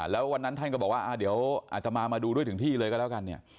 แล้ววันนั้นท่านก็บอกว่าเดี๋ยวอาตมามาดูด้วยถึงที่เลยก็แล้วกันเนี่ย